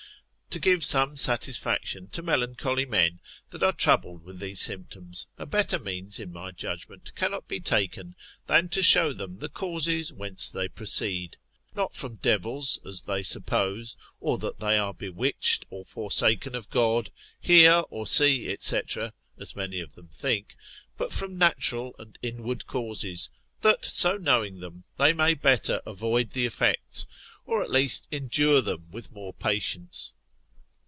To give some satisfaction to melancholy men that are troubled with these symptoms, a better means in my judgment cannot be taken, than to show them the causes whence they proceed; not from devils as they suppose, or that they are bewitched or forsaken of God, hear or see, &c. as many of them think, but from natural and inward causes, that so knowing them, they may better avoid the effects, or at least endure them with more patience.